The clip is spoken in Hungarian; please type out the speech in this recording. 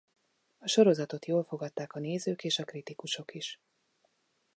A sorozatot jól fogadták a nézők és a kritikusok is.